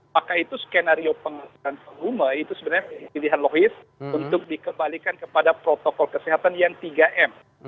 maka itu skenario pengelolaan formula itu sebenarnya pilihan logis untuk dikembalikan kepada protokol kesehatan yang tiga m